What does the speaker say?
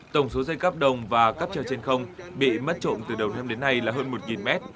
tổng số dây cáp đồng và cáp treo trên không bị mất trộm từ đầu năm đến nay là hơn một mét